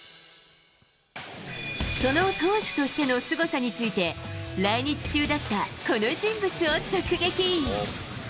その投手としてのすごさについて、来日中だったこの人物を直撃。